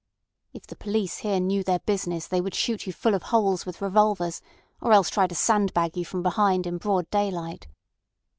"If the police here knew their business they would shoot you full of holes with revolvers, or else try to sand bag you from behind in broad daylight."